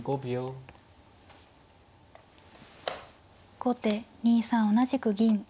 後手２三同じく銀。